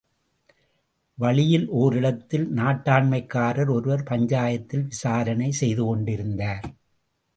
வழியில், ஒரிடத்தில், நாட்டாண்மைக்காரர் ஒருவர் பஞ்சாயத்தில் விசாரணை செய்துகொண்டிருந்தார்.